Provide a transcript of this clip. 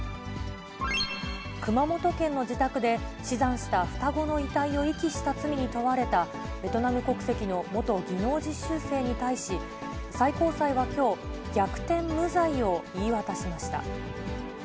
熊本県の自宅で、死産した双子の遺体を遺棄した罪に問われた、ベトナム国籍の元技能実習生に対し、最高裁はきょう、逆転無罪を言い渡しました。